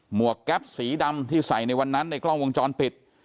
วกแก๊ปสีดำที่ใส่ในวันนั้นในกล้องวงจรปิด